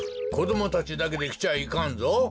こどもたちだけできちゃいかんぞ。